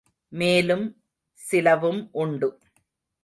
மேலும் சிலவும் உண்டு.